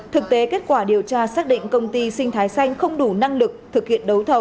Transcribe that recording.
thực tế kết quả điều tra xác định công ty sinh thái xanh không đủ năng lực thực hiện đấu thầu